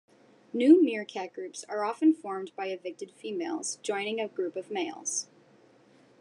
New meerkat groups are often formed by evicted females joining a group of males.